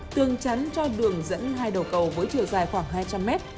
tường chắn cho đường dẫn hai đầu cầu với chữ dài khoảng hai trăm linh m